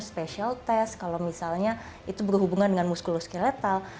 special test kalau misalnya itu berhubungan dengan muskuloskeletal